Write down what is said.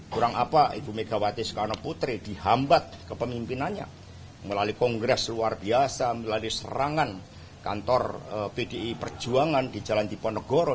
kurang apa ibu megawati soekarno putri dihambat kepemimpinannya melalui kongres luar biasa melalui serangan kantor pdi perjuangan di jalan tiponegoro